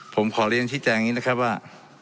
ผมขอเรียนที่แจงนี้นะครับว่า